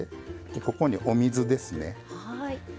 でここにお水ですね。